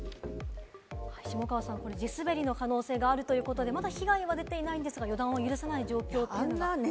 下川さん、地滑りの可能性があるということで、まだ被害は出ていないんですが、予断を許さない状況が続いてますね。